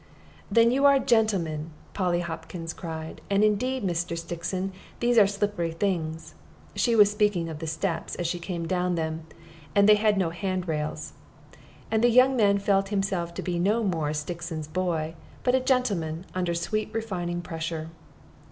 "Then you are a gentleman!" Polly Hopkins cried; "and indeed, Mr. Stixon, these are slippery things." She was speaking of the steps, as she came down them, and they had no hand rails; and the young man felt himself to be no more Stixon's boy, but a gentleman under sweet refining pressure.